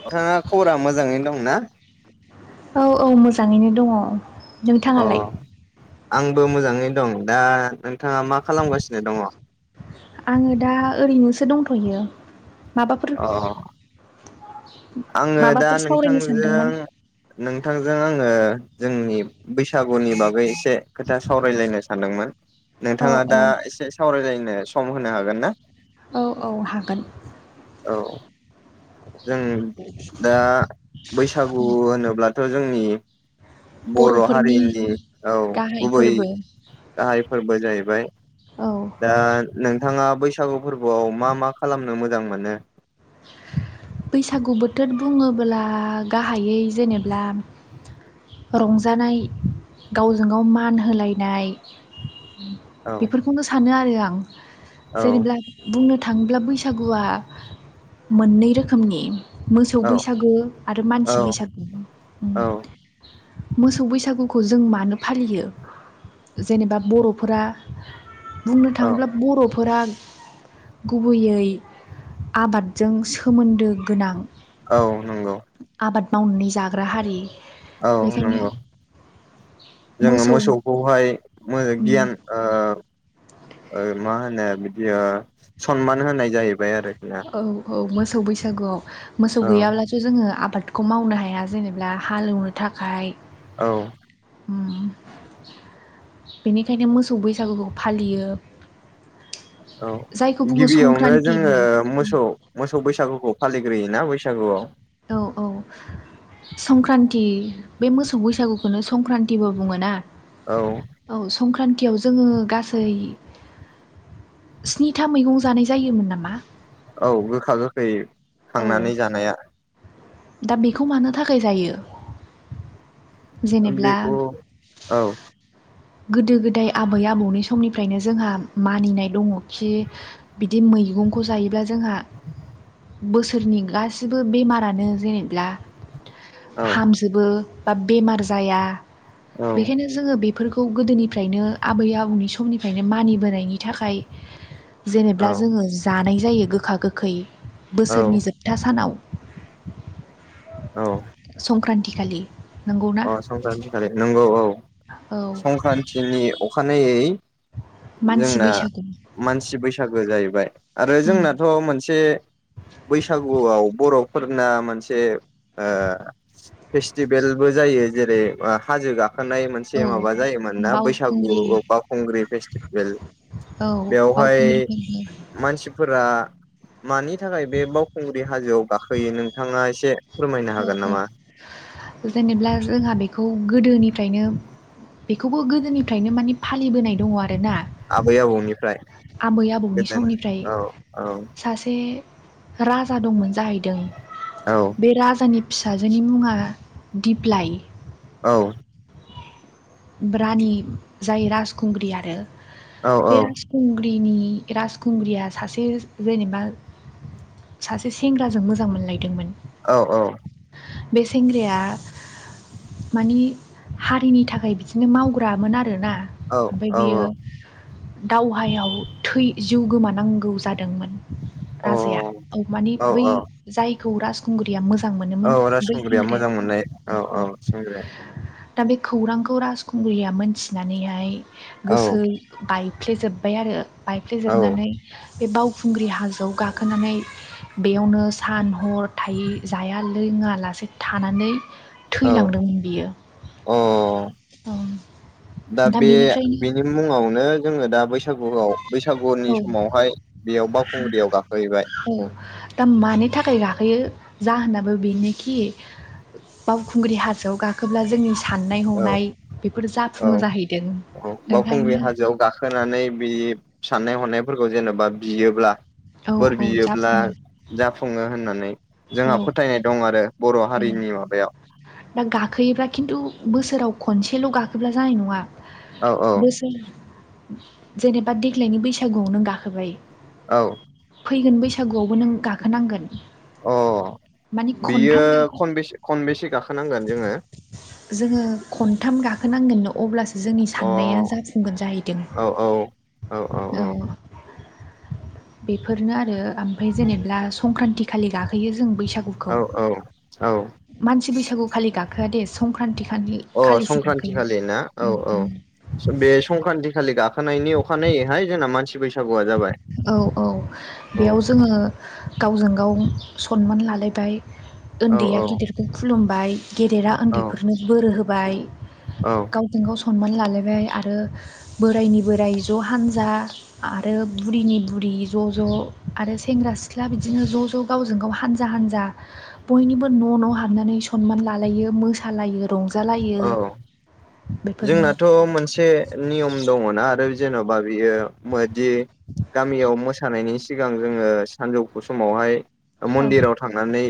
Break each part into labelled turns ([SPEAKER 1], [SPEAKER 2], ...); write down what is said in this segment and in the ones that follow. [SPEAKER 1] नोंथाङा खबरा मोजाङैनो दंना?
[SPEAKER 2] औ औ मोजाङैनो दङ
[SPEAKER 1] अ
[SPEAKER 2] नोंथाङालाय?
[SPEAKER 1] आंबो मोजाङै दं दा नोंथाङा मा खालामगासिनो दङ?
[SPEAKER 2] आङो दा ओरैनोसो दंथ'यो माबाफोर
[SPEAKER 1] अ आङो दा
[SPEAKER 2] माबाफोर सावरायनो
[SPEAKER 1] नोंथांजों
[SPEAKER 2] सानदोंमोन
[SPEAKER 1] नोंथांजों आङो जोंनि बैसागु नि बागै एसे खोथा सावरायलायनो सानदोंमोन
[SPEAKER 2] औ
[SPEAKER 1] नोंथाङा
[SPEAKER 2] औ
[SPEAKER 1] दा एसे सावराय नो सम होनो हागोन ना?
[SPEAKER 2] औ औ हागोन।
[SPEAKER 1] औ, जों दा बैसागु होनोब्ला थ' जोंनि बर'
[SPEAKER 2] बर'फोरनि
[SPEAKER 1] हारिनि औ
[SPEAKER 2] गाहाय
[SPEAKER 1] गुबै
[SPEAKER 2] फोरबो
[SPEAKER 1] गाहाय फोर बो जाहैबाय
[SPEAKER 2] औ
[SPEAKER 1] दा नोंथाङा बैसागु फोरबोआव मा मा खालामनो मोजां मोनो?
[SPEAKER 2] बैसागु बोथोर बुङोब्ला गाहायै जेनेब्ला रंजानाय गावजों गाव मान होलायनाय
[SPEAKER 1] औ
[SPEAKER 2] बेफोरखौनो सानो आरो आं
[SPEAKER 1] औ
[SPEAKER 2] जेनेब्ला बुंनो थाङोब्ला बैसागुआ मोननै रोखोमनि मोसौ
[SPEAKER 1] औ
[SPEAKER 2] बैसागो आरो
[SPEAKER 1] औ
[SPEAKER 2] मानसि बैसागु
[SPEAKER 1] औ
[SPEAKER 2] मोसौ बैसागुखौ जों मानो फालियो? जेनेबा बर'फोरा बुंनो
[SPEAKER 1] औ
[SPEAKER 2] थाङोब्ला बर'फोरा गुबैयै आबाद जों सोमोन्दो गोनां
[SPEAKER 1] औ नंगौ
[SPEAKER 2] आबाद मावनानै जाग्रा हारि।
[SPEAKER 1] औ
[SPEAKER 2] बेखायनो
[SPEAKER 1] नंगौ। जोङो
[SPEAKER 2] मोसौ
[SPEAKER 1] मोसौखौहाय मो गियान ओ ओ मा होनो बिदि ओ सनमान होनाय जाहैबाय आरोखि ना।
[SPEAKER 2] औ औ मोसौ बैसागुआव मोसौ
[SPEAKER 1] औ
[SPEAKER 2] गैयाब्लाथ जोङो आबाद खौ मावनो हाया जेनेबा हाल एवनो थाखाय
[SPEAKER 1] औ।
[SPEAKER 2] होम बेनिखायनो मोसौ बैसागुखौ फालियो।
[SPEAKER 1] औ
[SPEAKER 2] जायखौ बुङो
[SPEAKER 1] गिबियावनो
[SPEAKER 2] संक्रान्तिबो
[SPEAKER 1] जोङो मोसौ मोसौ बैसागुखौ फालि ग्रोयोना बैसागुआव।
[SPEAKER 2] औ औ संक्रान्ति बे मोसौ बैसागुखौनो संक्रान्तिबो बुङो ना।
[SPEAKER 1] औ
[SPEAKER 2] औ संक्रान्तियाव जोङो गासै स्निथा मैगं जानाय जायोमोन नामा?
[SPEAKER 1] औ गोखा गोखै
[SPEAKER 2] औ
[SPEAKER 1] खांनानै जानाया
[SPEAKER 2] दा बेखौ मानो थाखाय जायो? जेनेब्ला
[SPEAKER 1] बेखौ औ
[SPEAKER 2] गोदो गोदाय आबै आबौनि समनिफ्रायनो जोंहा मानिनाय दङ खि बिदि मै मैगंखौ जायोब्ला जोंहा बोसोरनि गासिबो बेमारानो जेनेब्ला
[SPEAKER 1] औ
[SPEAKER 2] हामजोबो बा बेमार जाया
[SPEAKER 1] औ
[SPEAKER 2] बेखायनो जोङो बे फोरखौ गोदोनिफ्रायनो आबै आबौनि समनिफ्रायनो मानिबोनायनि थाखाय जेनेब्ला
[SPEAKER 1] औ
[SPEAKER 2] जोङो जानाय जायो गोखा गोखै
[SPEAKER 1] औ
[SPEAKER 2] बोसोरनि जोबथा सानाव।
[SPEAKER 1] औ।
[SPEAKER 2] संक्रान्तिखालि
[SPEAKER 1] अ संक्रान्तिखालि नंगौ औ
[SPEAKER 2] औ
[SPEAKER 1] संक्रान्तिनि अखानायै
[SPEAKER 2] मानसि
[SPEAKER 1] जोंना
[SPEAKER 2] बैसागु
[SPEAKER 1] मानसि बैसागो जाहैबाय। आरो
[SPEAKER 2] उम
[SPEAKER 1] जोंनाथ' मोनसे बैसागुआव बर' फोरना मोनसे ओ फेस्टिभेल बो जायो जेरै हाजो गाख खोनाय मोनसे
[SPEAKER 2] औ
[SPEAKER 1] माबा जायोमोन ना
[SPEAKER 2] बावखुंग्रि
[SPEAKER 1] बैसागुआव बावखुंग्रि फेस्टिभेल।
[SPEAKER 2] औ बावखुंग्रि
[SPEAKER 1] बेवहाय
[SPEAKER 2] फोरबो
[SPEAKER 1] मानसिफोरा मानि थाखाय बे बावखुंग्रि हाजोआव गाखोयो नोंथाङा एसे फोरमायनो हागोन नामा
[SPEAKER 2] [unintelligible] जेनेब्ला जोंहा बेखौ गोदोनिफ्रायनो बेखौबो गोदोनिफ्रायनो माने फालिबोनाय दङ आरो। दोना
[SPEAKER 1] आबै आबौनिफ्राय
[SPEAKER 2] आबै आबौनि समनिफ्राय
[SPEAKER 1] गोदोनो औ
[SPEAKER 2] सासे राजा दंमोन जाहैदों।
[SPEAKER 1] औ।
[SPEAKER 2] नि फिसाजोनि मुङा दिप्लाइ।
[SPEAKER 1] औ।
[SPEAKER 2] रानि जाय राजखुंग्रि आरो
[SPEAKER 1] औ
[SPEAKER 2] बे राजखुंग ग्रिनि राजखुंग्रिया सासे जेनेबा सासे सेंग्राजों मोजां मोनलायदोंमोन।
[SPEAKER 1] औ औ।
[SPEAKER 2] बे सेंग्राया मानि हारिनि थाखाय बिदिनो मावग्रामोन आरो ना ओमफ्राय बियो दावहायाव थै जिउ गोमानांगौ जादोंमोन।
[SPEAKER 1] औ
[SPEAKER 2] राजाया औ मानि
[SPEAKER 1] औ
[SPEAKER 2] बै
[SPEAKER 1] औ
[SPEAKER 2] जायखौ राजखुंगुरिया मोजां मोजां
[SPEAKER 1] औ
[SPEAKER 2] मोनोमोन बै
[SPEAKER 1] राजखुंग्रिया
[SPEAKER 2] सेंग्राया
[SPEAKER 1] मोजां मोननाय
[SPEAKER 2] औ औ।
[SPEAKER 1] सिंग्राया
[SPEAKER 2] दा बे खौरांखौ राजखुंग्रिया मोनथिनानैहाय
[SPEAKER 1] औ
[SPEAKER 2] गोसो बाय फ्लेेजोबबाय आरो
[SPEAKER 1] औ
[SPEAKER 2] बायफ्लेेजोबनानै बे बावखुंग्रि हाजोआव गाखोनानै बेयावनो सान हर थायै जाया लो ङा लासे थानानै
[SPEAKER 1] औ
[SPEAKER 2] थैलांदोंमोन बियो।
[SPEAKER 1] अ दा बे बेनि मुङावनो जोङो दा बैसागुआव। बैसागुनि
[SPEAKER 2] औ
[SPEAKER 1] समावहाय बेयाव बावखुंग्रियाव गाखोहैबाय।
[SPEAKER 2] औ दा मानि थाखाय गाखोयो जा होनाबो बेनोखि बावखुंग्रि हाजोआव गाखोब्ला जोंनि। साननाय
[SPEAKER 1] औ
[SPEAKER 2] हनाय बेफोर
[SPEAKER 1] औ
[SPEAKER 2] जाफुङो जाहैदों
[SPEAKER 1] औ बावखुंग्रि
[SPEAKER 2] ओंखायनो
[SPEAKER 1] हाजोआव गाखोनानै बे। साननाय हनायफोरखौ जेन'बा बियोब्ला।
[SPEAKER 2] औ
[SPEAKER 1] बोर
[SPEAKER 2] औ
[SPEAKER 1] बियोब्ला
[SPEAKER 2] जाफुङो
[SPEAKER 1] जाफुङो होननानै
[SPEAKER 2] औ
[SPEAKER 1] जोंहा फोथायनाय दं आरो। बर' हारिनि माबायाव
[SPEAKER 2] दा गाखोयोब्ला खिन्थु बोसोराव। खनसेल' गाखोब्ला जानाय नङा
[SPEAKER 1] औ औ
[SPEAKER 2] बोसोर। जेनेबा देग्लायनि बैसागुआवनो गाखोबाय।
[SPEAKER 1] औ।
[SPEAKER 2] फैगोन बैसागुआवबो नों गाखोनांगोन
[SPEAKER 1] अ
[SPEAKER 2] माने
[SPEAKER 1] बियो
[SPEAKER 2] खनथाम गा
[SPEAKER 1] खनबेसे खनबेसे गाखोनांगोन जोङो
[SPEAKER 2] जोंङो खनथाम गाखो नांगोननो अब्लासो जोंनि साननाया
[SPEAKER 1] अ
[SPEAKER 2] जाफुंगोन जाहैदों।
[SPEAKER 1] औ औ औ
[SPEAKER 2] औ बेफोरनो आरो ओमफ्राय जेनेबा संक्रान्ति खालि गाखोयो जों बैसागु।
[SPEAKER 1] औ औ औ
[SPEAKER 2] मानसि बैसागु खालि गाखोआ दे संक्रान्ति। खालि
[SPEAKER 1] अ
[SPEAKER 2] खालिसो
[SPEAKER 1] संक्रान्ति
[SPEAKER 2] गाखोयो
[SPEAKER 1] खालि ना औ
[SPEAKER 2] उम
[SPEAKER 1] औ
[SPEAKER 2] उम।
[SPEAKER 1] बे संक्रान्ति खालि गाखो गाखोनायनि अखानायैहाय जोंना मानसि बैसा
[SPEAKER 2] औ औ
[SPEAKER 1] औ
[SPEAKER 2] बेयाव जोङो गावजों गाव सनमान लालायबाय
[SPEAKER 1] औ
[SPEAKER 2] उन्दैया
[SPEAKER 1] औ
[SPEAKER 2] गिदिरखौ खुलुमबाय। गेदेरा
[SPEAKER 1] औ
[SPEAKER 2] उन्दैफोरनो बोरो होबाय
[SPEAKER 1] औ
[SPEAKER 2] गावजों गाव। सनमान लालायबाय आरो बोरायनि बोराइ ज' हान्जा। आरो बुरिनि बुरि ज' ज' आरो सेंग्रा सिख्ला बिदिनो ज' ज' गावजों गाव हानजा हानजा हा जा बयनिबो न' न' हाबनानै सनमान लालायो मोसालायो रंजा
[SPEAKER 1] औ जोंनाथ' मोनसे नियम। दङ' ना आरो जेन'बा बियो मादि गामियाव मोसानायनि। सिगां जोङो सानजौफु समावहाय।
[SPEAKER 2] औ
[SPEAKER 1] मन्दिराव थांनानै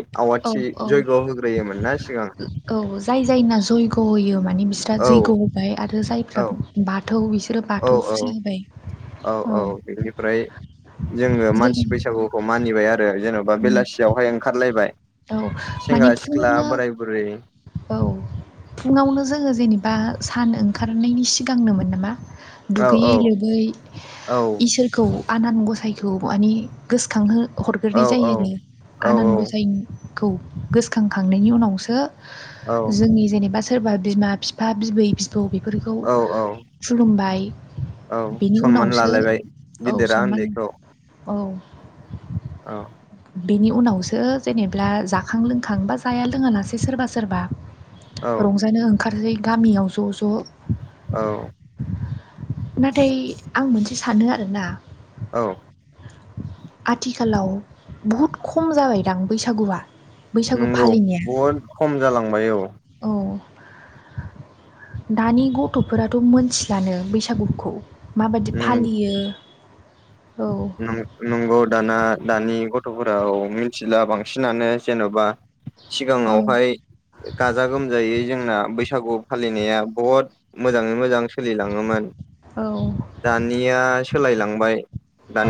[SPEAKER 2] औ
[SPEAKER 1] आवाथि
[SPEAKER 2] औ
[SPEAKER 1] जयग' होग्रोयोमोन ना सिगां
[SPEAKER 2] औ जाय जायना जयग' होयो माने बिस्रा
[SPEAKER 1] औ
[SPEAKER 2] जैग' होबाय आरो जायफ्रा
[SPEAKER 1] औ
[SPEAKER 2] बाथौ बिसोर बिसोरो
[SPEAKER 1] औ
[SPEAKER 2] बाथौ फुजा
[SPEAKER 1] औ
[SPEAKER 2] होबाय औ।
[SPEAKER 1] जोङो
[SPEAKER 2] जों
[SPEAKER 1] मानसि बैसागुखौ मानिबाय आरो जेन'बा बेलासियावहाय ओंखारलायबाय।
[SPEAKER 2] औ माने
[SPEAKER 1] सेंग्रा सिख्ला
[SPEAKER 2] फुङावनो
[SPEAKER 1] बोराय बुरै।
[SPEAKER 2] औ फुङावनो जोङो जेनेबा सान ओंखारनायनि सिगांनोमोन नामा?
[SPEAKER 1] औ औ
[SPEAKER 2] दुगैयै लोबै
[SPEAKER 1] औ
[SPEAKER 2] इसोरखौ आनान गसायखौ माने गोसोखां
[SPEAKER 1] औ
[SPEAKER 2] हरग्रोनाय
[SPEAKER 1] औ
[SPEAKER 2] जायो आरो
[SPEAKER 1] औ
[SPEAKER 2] आनान गसाय। गोसोखांखांनायनि उनावसो
[SPEAKER 1] औ
[SPEAKER 2] जोंनि जेनेबा सोरबा बिमा बिफा बिबै बिबौ बेफोरखौ
[SPEAKER 1] औ औ
[SPEAKER 2] खुलुमबाय
[SPEAKER 1] औ
[SPEAKER 2] बेनि
[SPEAKER 1] सनमान
[SPEAKER 2] उनावसो
[SPEAKER 1] लालायबाय
[SPEAKER 2] औ
[SPEAKER 1] गिदिरा
[SPEAKER 2] सनमान
[SPEAKER 1] उन्दैखौ
[SPEAKER 2] औ।
[SPEAKER 1] औ
[SPEAKER 2] बेनि उनावसो जेनेबा जाखां लोंखां बा जाया लोङानासै सोरबा सोरबा।
[SPEAKER 1] औ
[SPEAKER 2] रंजानो ओंखारहै गामियाव ज' ज'।
[SPEAKER 1] औ
[SPEAKER 2] नाथाय आं मोनसे सानो आरोना।
[SPEAKER 1] औ
[SPEAKER 2] आथिखालाव बहुद खम जाबायदां बैसागुआ। बैसागु
[SPEAKER 1] नंगौ
[SPEAKER 2] फालिनाया
[SPEAKER 1] बहुद खम जालांबाय औ
[SPEAKER 2] औ दानि गथ'फोराथ' मोनथिलानो बैसागुखौ माबायदि फालियो। औ
[SPEAKER 1] नंगौ दाना दानि गथ' गथ'फोराव मिथिला बांसिनानो जेन'बा
[SPEAKER 2] औ
[SPEAKER 1] सिगाङावहाय गाजा गोमजायै जोंना बैसागु फालिनायाव बुहुत मोजाङै मोजां सोलिलाङोमोन
[SPEAKER 2] औ
[SPEAKER 1] दानिया सोलायलांबाय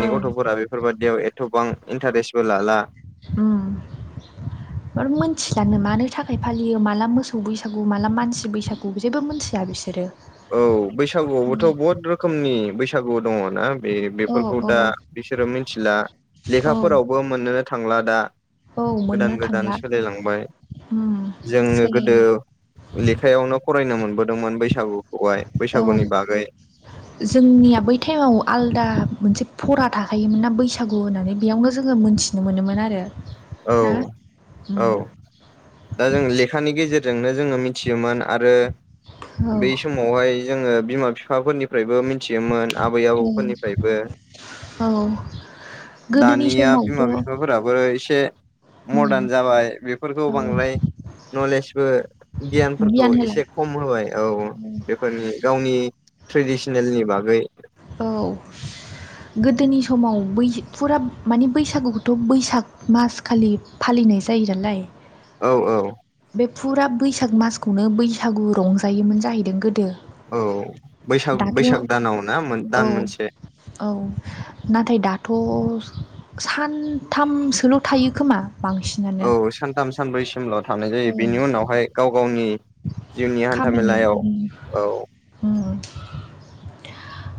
[SPEAKER 2] औ
[SPEAKER 1] गथ'फोरा बेफोरबायाददियाव एथबां इन्टारेस्टबो लाला।
[SPEAKER 2] उम। मो मिथिलानो मानो थाखाय फालियो माला मोसौ बैसागु माला मानसि बैसागु जेबो मिथिया बिसोरो।
[SPEAKER 1] औ बैसागुआवबोथ' बहुद रोखोमनि बैसागु दङ ना? बे
[SPEAKER 2] औ
[SPEAKER 1] बेफोरखौ
[SPEAKER 2] औ
[SPEAKER 1] दा बिसोरो मिथिला
[SPEAKER 2] औ
[SPEAKER 1] लेखाफोरावबो मोननोनो थांला दा
[SPEAKER 2] औ
[SPEAKER 1] गोदान
[SPEAKER 2] मोननो
[SPEAKER 1] गोदान
[SPEAKER 2] थांला
[SPEAKER 1] सोलिलांबाय।
[SPEAKER 2] उम
[SPEAKER 1] जोङो
[SPEAKER 2] सोलायो
[SPEAKER 1] गोदो लेखायावनो फरायनो मोनबोदोंमोन बैसागु।
[SPEAKER 2] औ जोंनिया बै टाइमाव आलदा मोनसे फरा थाखायोमोन ना बैसागु होननानै बेयावनो जोङो मोनथिनो मोनोमोन आरो
[SPEAKER 1] औ
[SPEAKER 2] ना
[SPEAKER 1] औ दा जों लेखानि गेजेर जोंनो जोङो मिथियोमोन आरो
[SPEAKER 2] औ
[SPEAKER 1] बै समावहाय जोङो बिमा बिफाफोरनिफ्रायबो मिथियोमोन आबै आबौफोरनिफ्रायबो।
[SPEAKER 2] औ गोदोनि
[SPEAKER 1] दानिया
[SPEAKER 2] समावथ'
[SPEAKER 1] बिमा
[SPEAKER 2] औ
[SPEAKER 1] बिफाफोराबो एसे मदार्न जाबाय बेफोरखौ बांद्राय नलेजबो गियानफोरखौ
[SPEAKER 2] गियान होला
[SPEAKER 1] एसे खम होबाय औ बेफोरनि गावनि ट्रेडिसनेलनि बागै
[SPEAKER 2] औ। गोदोनि समाव बै फुरा माने बैसागुखौथ' बैसाग मास खालि फालिनो होननाय जायो नालाय
[SPEAKER 1] औ औ।
[SPEAKER 2] बे फुरा बैसाग मासखौनो बैसागु रंजायोमोन जाहैदों गोदो
[SPEAKER 1] औ बैसाग
[SPEAKER 2] दाथ'
[SPEAKER 1] बैसाग दानाव ना दान
[SPEAKER 2] औ
[SPEAKER 1] मोनसे।
[SPEAKER 2] औ नाथाय दाथ' सानथामसोल' थायो खोमा बांसिनानो
[SPEAKER 1] औ सानथाम सानब्रै सिमल' थांनाय जायो बेनि उनावहाय गाव गावनि जोंनि हान्था
[SPEAKER 2] खामानि
[SPEAKER 1] मेलायाव
[SPEAKER 2] उम
[SPEAKER 1] औ।
[SPEAKER 2] [inaudible]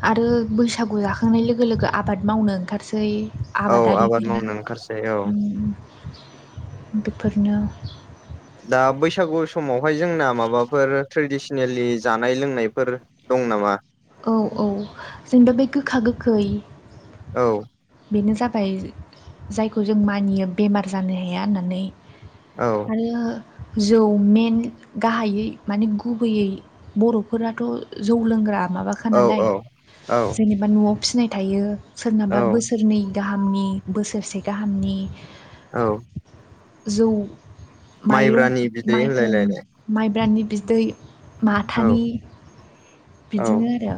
[SPEAKER 2] आरो बैसागु जाखांनाय लोगो लोगो आबाद मावनो ओंखारसै।
[SPEAKER 1] औ आबाद
[SPEAKER 2] आबादारिफोरा
[SPEAKER 1] मावनो ओंखारसै औ
[SPEAKER 2] बेफोरनो
[SPEAKER 1] दा बैसागु समावहाय जोंना माबाफोर ट्रेडिसनेलि जानाय लोंनायफोर दं। दं नामा?
[SPEAKER 2] औ औ जोंबा बे गोखा गोखै
[SPEAKER 1] औ
[SPEAKER 2] बेनो जाबाय जायखौ जों मानियो बेमार जानो हाया होननानै
[SPEAKER 1] औ
[SPEAKER 2] आरो जौ मेन गाहायै माने गुबैयै बर'फोराथ' जौ लोंग्रा माबाखा
[SPEAKER 1] औ
[SPEAKER 2] नालाय
[SPEAKER 1] औ
[SPEAKER 2] जेनेबा न'आव फिसिनाय थायो सोरनाबा
[SPEAKER 1] औ
[SPEAKER 2] बोस नै गाहामनि बोसोरसे गाहामनि
[SPEAKER 1] औ।
[SPEAKER 2] जौ माइरं
[SPEAKER 1] माइब्रानि बिदै
[SPEAKER 2] मायबुं
[SPEAKER 1] होनलायलायनाय
[SPEAKER 2] माइब्रानि बिदै
[SPEAKER 1] औ
[SPEAKER 2] माथानि
[SPEAKER 1] औ
[SPEAKER 2] बिदिनो आरो।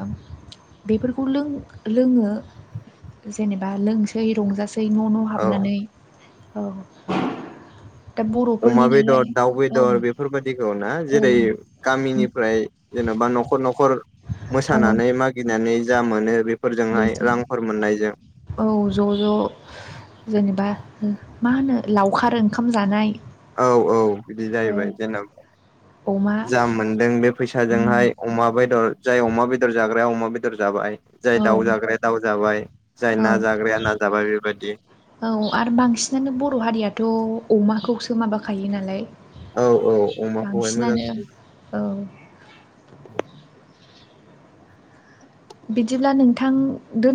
[SPEAKER 2] बेफोरखौ लों लोङो जेनेबा लोंसै रंजासै दै न' न'
[SPEAKER 1] औ
[SPEAKER 2] हाबनानै औ। दा
[SPEAKER 1] अमा
[SPEAKER 2] बर'फोरनि नालाय
[SPEAKER 1] बेदर दाउ
[SPEAKER 2] औ
[SPEAKER 1] बेदर बेफोरबायदिखौ ना
[SPEAKER 2] औ
[SPEAKER 1] जेरै गामिनिफ्राय जेनेबा न'खर न'खर मोसानानै मागिनानै जा मोन बे
[SPEAKER 2] बेजों औ ज' ज' जेनेबा ओ मा होनो लावखार ओंखाम जानाय।
[SPEAKER 1] औ औ बिदि
[SPEAKER 2] औ
[SPEAKER 1] जाहैबाय जेनेबा।
[SPEAKER 2] अमा
[SPEAKER 1] जा मोनदों बे
[SPEAKER 2] उम
[SPEAKER 1] फैसाजोंहाय अमा बेदर जाय अमा बेद बेदर जाग्राया अमा बेदर जाबाय। जाय
[SPEAKER 2] औ
[SPEAKER 1] दाउ जाग्राया दाउ जाबाय जाय
[SPEAKER 2] औ
[SPEAKER 1] ना जाग्राया ना जाबाय बेबायदि।
[SPEAKER 2] औ आरो बांसिनानो बर' हारियाथ' अमाखौसो माबाखायो नालाय।
[SPEAKER 1] औ औ अमाखौहाय
[SPEAKER 2] बांसिनानो
[SPEAKER 1] मोजांसिन
[SPEAKER 2] औ।
[SPEAKER 1] [inaudible]
[SPEAKER 2] बिदिब्ला नोंथां दोन